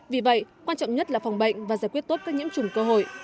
vì vậy quan trọng nhất là phòng bệnh và giải quyết tốt các nhiễm trùng cơ hội